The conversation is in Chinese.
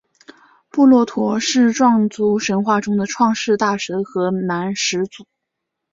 布洛陀是壮族神话中的创世大神和男始祖。